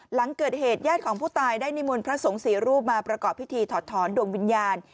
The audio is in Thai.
หลังเกิดเหตุญาติของผู้ตายได้นิมนต์พระสงฆ์สี่รูปมาประกอบพิธีถอดถอนดวงวิญญาณ